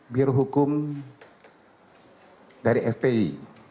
biro hukum dari fpi